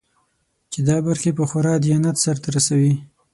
چې دا برخې په خورا دیانت سرته ورسوي.